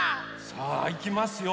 さあいきますよ。